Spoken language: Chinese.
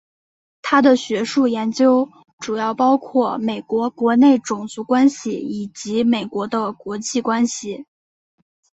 他的学术研究主要包括美国国内种族关系以及美国的国际关系。